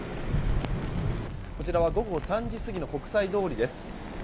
こちらは午後３時過ぎの国際通りです。